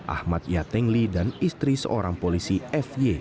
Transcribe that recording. ahmad yatengli dan istri seorang polisi f y